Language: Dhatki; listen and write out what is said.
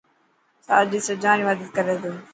ساجد سڄان ري مدد ڪري ٿو.